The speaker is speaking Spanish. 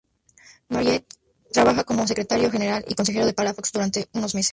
Mariátegui trabajó como secretario general y consejero de Palafox durante unos meses.